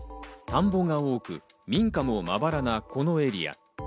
田んぼが多く、民家もまばらなこのエリア。